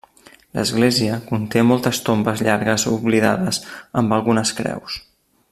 L'església conté moltes tombes llargues oblidades amb algunes creus.